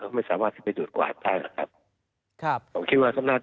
เราก็ไม่สามารถที่จะไปตุ๋วตกวาด